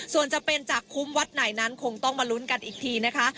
ส่วนจะเป็นจากคุ้มวัดไหนนั้นคงต้องมาลุ้นกันอีกทีนะคะ